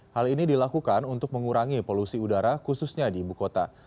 hal ini dilakukan untuk mengurangi polusi udara khususnya di ibu kota